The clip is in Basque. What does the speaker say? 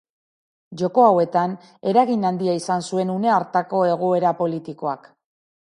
Joko hauetan, eragin handia izan zuen une hartako egoera politikoak.